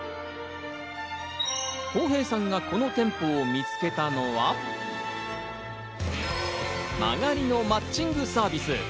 公平さんがこの店舗を見つけたのは間借りのマッチングサービス。